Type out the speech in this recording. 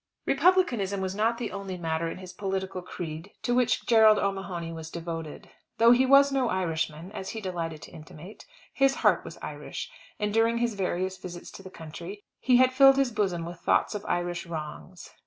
Republicanism was not the only matter in his political creed to which Gerald O'Mahony was devoted. Though he was no Irishman, as he delighted to intimate, his heart was Irish; and during his various visits to the country, he had filled his bosom with thoughts of Irish wrongs.